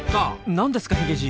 何ですかヒゲじい。